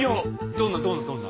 どんな？